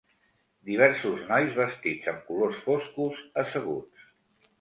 Diversos nois vestits amb colors foscos asseguts.